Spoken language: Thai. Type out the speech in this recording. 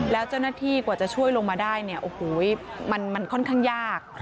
แล้วเจ้าหน้าที่กว่าจะช่วยลงมาได้มันค่อนข้างยาก